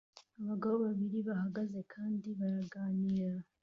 Abagabo babiri bahagaze kandi baraganira